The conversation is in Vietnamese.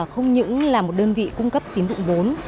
không những là một đơn vị cung cấp tín dụng vốn